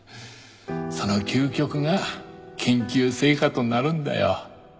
その究極が研究成果となるんだよ。